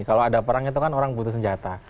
kalau ada perang itu kan orang butuh senjata